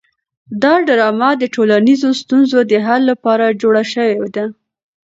دا ډرامه د ټولنیزو ستونزو د حل لپاره جوړه شوې ده.